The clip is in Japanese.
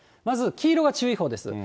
黄色が注意報です。